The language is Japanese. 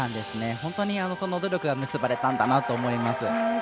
本当に努力が結ばれたんだなと思います。